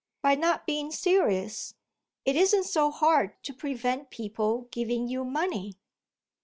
"By not being serious. It isn't so hard to prevent people giving you money."